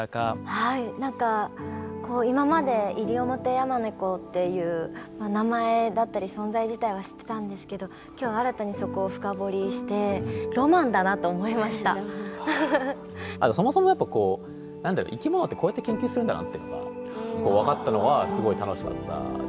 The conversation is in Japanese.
はいなんか今までイリオモテヤマネコっていう名前だったり存在自体は知ってたんですけど今日新たにそこを深掘りしてそもそもやっぱこう何だろう生き物ってこうやって研究するんだなっていうのが分かったのはすごい楽しかったですね。